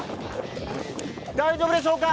大丈夫でしょうか？